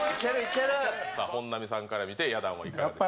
さあ本並さんから見てや団はいかがでしたか？